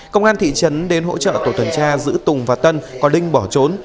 công an thị trấn đến hỗ trợ tổ tuần tra giữ tùng và tân có linh bỏ trốn